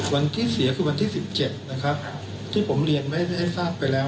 วันที่เสียคือวันที่สิบเจ็ดนะครับนะครับที่ผมเรียนให้ให้ทราบไปแล้ว